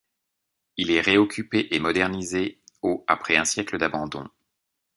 Il est réoccupé et modernisé au après un siècle d'abandon.